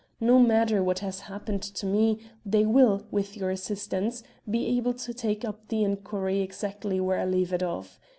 No matter what has happened to me, they will, with your assistance, be able to take up the inquiry exactly where I leave it off.